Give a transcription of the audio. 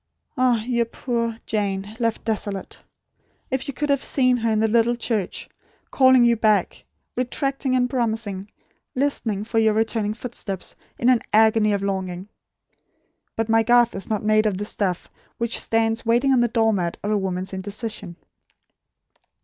Ah, your poor Jane, left desolate! If you could have seen her in the little church, calling you back; retracting and promising; listening for your returning footsteps, in an agony of longing. But my Garth is not made of the stuff which stands waiting on the door mat of a woman's indecision."